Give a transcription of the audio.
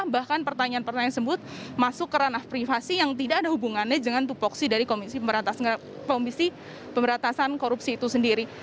bahkan pertanyaan pertanyaan sebut masuk ke ranah privasi yang tidak ada hubungannya dengan tupoksi dari komisi pemberantasan korupsi itu sendiri